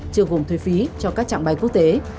chưa gồm thuế phí cho các trạng bay quốc tế